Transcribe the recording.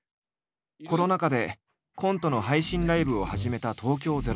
コロナ禍でコントの配信ライブを始めた東京０３。